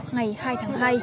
ngày hai tháng hai